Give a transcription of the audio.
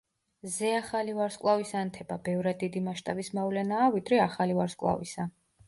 ზეახალი ვარსკვლავის ანთება ბევრად დიდი მასშტაბის მოვლენაა, ვიდრე ახალი ვარსკვლავისა.